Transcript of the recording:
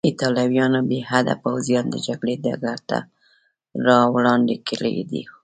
ایټالویانو بې حده پوځیان د جګړې ډګر ته راوړاندې کړي وو.